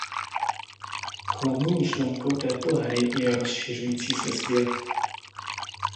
Hlavní myšlenkou této hry je rozšiřující se svět.